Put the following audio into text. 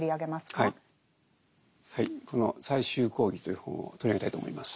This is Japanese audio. はいこの「最終講義」という本を取り上げたいと思います。